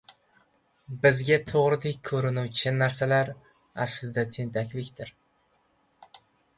Bizga to‘g‘ridek ko‘rinuvchi narsalar aslida tentaklikdir